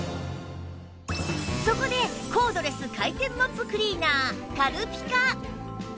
そこでコードレス回転モップクリーナー軽ピカ